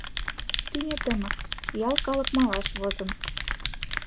Тӱнӧ тымык, ял калык малаш возын.